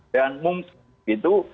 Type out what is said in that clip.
dan mungkin begitu